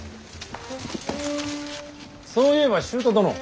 そういえば舅殿。